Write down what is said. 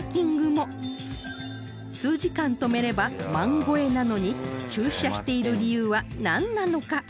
数時間停めれば万超えなのに駐車している理由はなんなのか？